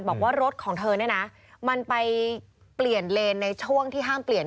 บอกว่ารถของเธอเนี่ยนะมันไปเปลี่ยนเลนในช่วงที่ห้ามเปลี่ยน